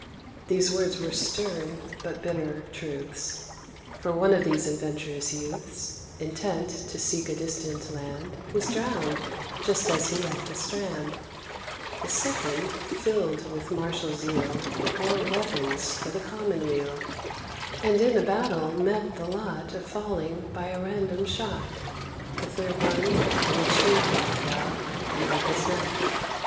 These words were stern but bitter truths: For one of these adventurous youths, Intent to seek a distant land, Was drowned, just as he left the strand; The second, filled with martial zeal, Bore weapons for the common weal, And in a battle met the lot Of falling by a random shot. The third one from a tree top fell, And broke his neck.